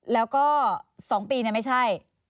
แล้วก็สองปีนั้นไม่ใช่